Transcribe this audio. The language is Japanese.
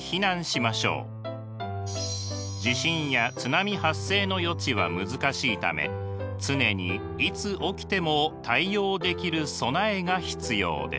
地震や津波発生の予知は難しいため常にいつ起きても対応できる備えが必要です。